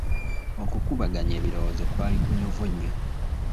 Okukubaganya ebirowoozo kwali kunyuvu nnyo.